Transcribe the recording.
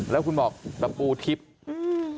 แล้วคุณบอกตะปูทิพย์อืม